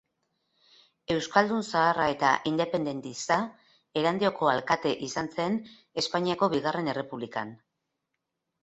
Euskaldun-zaharra eta independentista, Erandioko alkate izan zen Espainiako bigarren errepublikan.